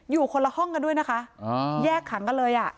อยู่คนละห้องกันด้วยนะคะแยกขังกันเลยอ่ะ